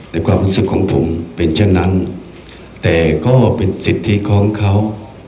แต่ความรู้สึกของผมเป็นเช่นนั้นแต่ก็เป็นสิทธิของเขา